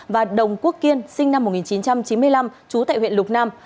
và đồng quốc kiên sinh năm một nghìn chín trăm chín mươi năm trú tại huyện lục nam